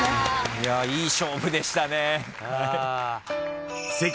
いやいい勝負でしたね。